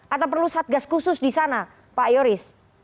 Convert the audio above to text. atau perlu satgas khusus disana pak yoris